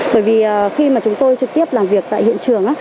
bởi vì khi mà chúng tôi trực tiếp làm việc tại hiện trường